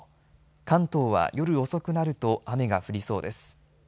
関東は夜遅くなると雨が降りそうです。